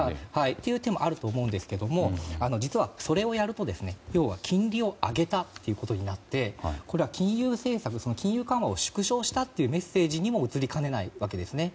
という点もあると思うんですけど実はそれをやると要は金利を上げたことになってこれは金融政策、金融緩和を縮小したというメッセージにも映りかねないわけですね。